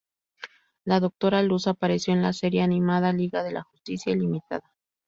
La Doctora Luz apareció en la serie animada Liga de la Justicia Ilimitada.